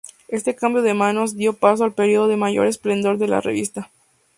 Este cambio de manos dio paso al periodo de mayor esplendor de la revista.